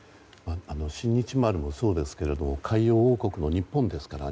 「新日丸」もそうですが海洋王国の日本ですから。